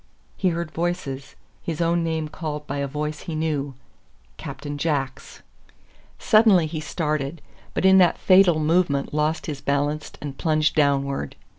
He heard voices, his own name called by a voice he knew Captain Jack's! Suddenly he started, but in that fatal movement lost his balance and plunged downward.